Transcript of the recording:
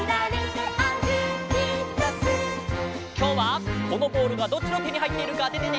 きょうはこのボールがどっちのてにはいっているかあててね！